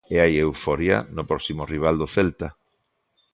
E hai euforia no próximo rival do Celta.